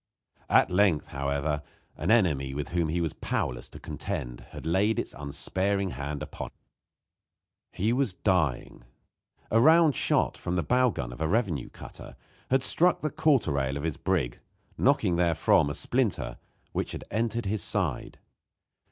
At length, however, an enemy with whom he was powerless to contend had laid its unsparing hand upon him. He was dying. A round shot, from the bow gun of a revenue cutter, had struck the quarter rail of his brig, knocking therefrom a splinter, which had entered his side.